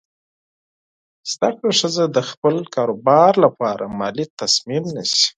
زده کړه ښځه د خپل کاروبار لپاره مالي تصمیم نیسي.